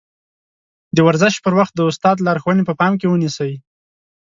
د ورزش پر وخت د استاد لارښوونې په پام کې ونيسئ.